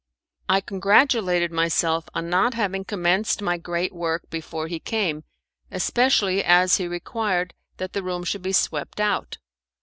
I congratulated myself on not having commenced my great work before he came, especially as he required that the room should be swept out.